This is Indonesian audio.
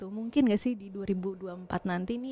mungkin gak sih di dua ribu dua puluh empat nanti nih